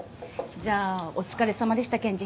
じゃあお疲れさまでした検事。